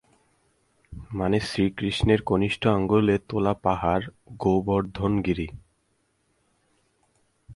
মানে শ্রীকৃষ্ণের কনিষ্ঠ আঙুলে তোলা পাহাড়, গোবর্ধন গিরি।